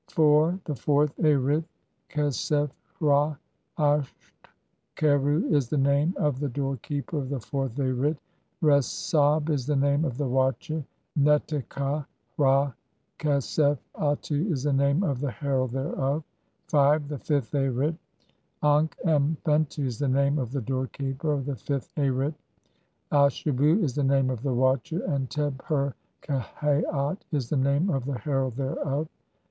IV. "THE FOURTH ARIT. Khesef hra asht kheru is the name "of the doorkeeper of the fourth Arit, Res ab is the name of "the watcher, and Neteka hra khesef atu is the name of the "herald thereof." V. "THE FIFTH ARIT. Ankh em fentu is the name of the door keeper of the fifth Arit, Ashebu is the name of the watcher, "and Teb her kehaat is the name of the herald thereof."